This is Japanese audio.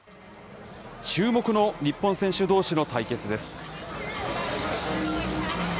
注目の日本選手どうしの対決です。